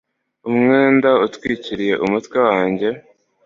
Umwenda utwikiriye umutwe wanjye